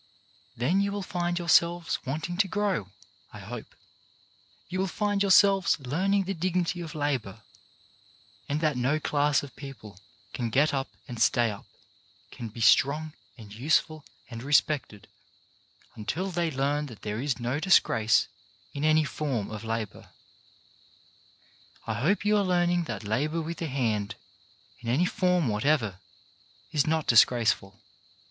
Then you will find yourselves wanting to grow, I hope ; will find yourselves learning the dignity of labour, and that no class of people can get up and stay up, can be strong and useful and respected, until they learn that there is no disgrace in any form of labour. I hope you are learning that labour with the hand, in any form whatever, is not disgraceful.